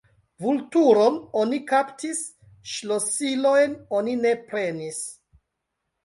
Vulturon oni kaptis, ŝlosilojn oni ne prenis!